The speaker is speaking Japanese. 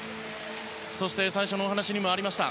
そして、最初のお話にもありました。